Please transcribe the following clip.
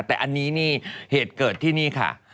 แต่อันนี้นี่เหตุเกิดที่นี่ค่ะ